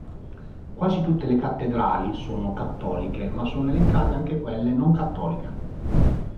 Quasi tutte le cattedrali sono cattoliche, ma sono elencate anche quelle non cattoliche.